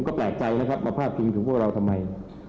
ก็แปลกใจนะครับมาพาดพิงถึงพวกเราทำไม